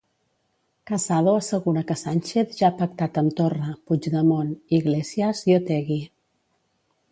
Casado assegura que Sánchez ja ha pactat amb Torra, Puigemont, Iglesias i Otegi.